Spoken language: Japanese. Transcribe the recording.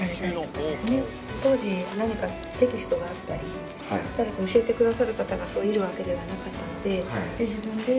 当時何かテキストがあったり誰か教えてくださる方がいるわけではなかったので。